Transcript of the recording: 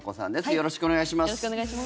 よろしくお願いします。